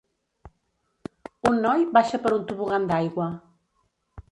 Un noi baixa per un tobogan d'aigua.